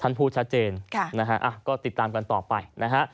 ท่านพูดชัดเจนก็ติดตามกันต่อไป